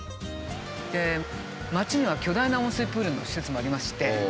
町には巨大な温水プールの施設もありまして。